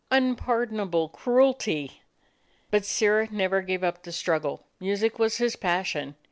Unpardonable cruelty! But Sirrah never gave up the struggle. Music was his passion.